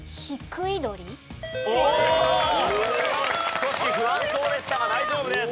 少し不安そうでしたが大丈夫です。